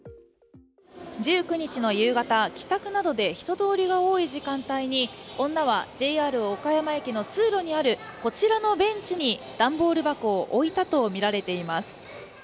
１９日の夕方、帰宅などで人通りが多い時間帯に、女はＪＲ岡山駅の通路にあるこちらのベンチに段ボール箱を置いたとみられています。